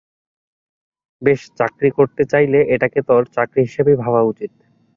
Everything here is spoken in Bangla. বেশ, চাকরি করতে চাইলে, এটাকে তোর চাকরি হিসাবেই ভাবা উচিত।